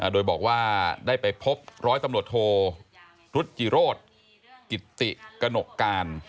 โดยบอกว่าได้ไปพบร้อยตำรวจโทรุจจิโรธกิตติกระหนกการ